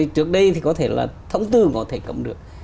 trước đây thì có thể là thông tư có thể cầm được